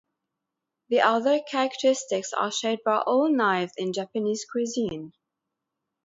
The other characteristics are shared by all knives in Japanese cuisine.